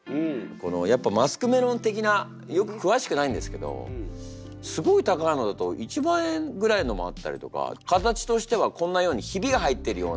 やっぱマスクメロン的なくわしくないんですけどすごい高いのだと１万円ぐらいのもあったりとか形としてはこんなようにヒビが入ってるような。